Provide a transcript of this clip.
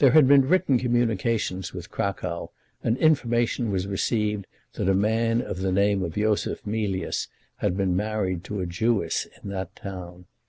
There had been written communications with Cracow, and information was received that a man of the name of Yosef Mealyus had been married to a Jewess in that town.